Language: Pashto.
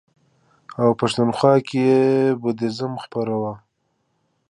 او پښتونخوا کې یې بودیزم خپراوه.